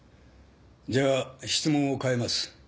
じゃあ質問を変えます。